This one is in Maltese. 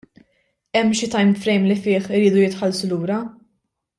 Hemm xi time - frame li fih iridu jitħallsu lura?